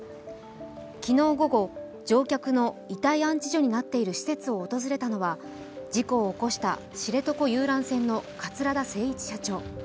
昨日午後、乗客の遺体安置所になっている施設を訪れたのは事故を起こした知床遊覧船の桂田精一社長。